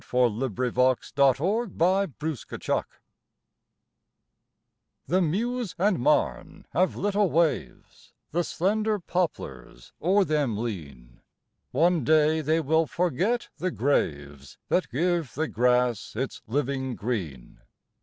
26 FLOWER OF VTOUTH A GIRL'S SONG THE Meuse and Marne have little waves ; The slender poplars o'er them lean. One day they will forget the graves That give the grass its li ving green.